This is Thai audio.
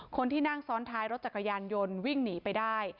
คนที่นั่งซ้อนท้ายรถจักรยานยนต์วิ่งหนีไปได้